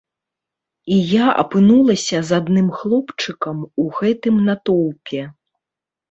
І я апынулася з адным хлопчыкам у гэтым натоўпе.